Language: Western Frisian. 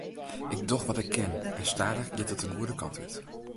Ik doch wat ik kin en stadich giet it de goede kant út.